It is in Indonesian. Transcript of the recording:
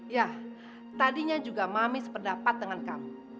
ya tadinya juga mami sependapat dengan kamu